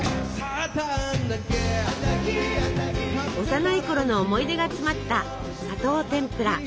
幼いころの思い出が詰まった「砂糖てんぷら」。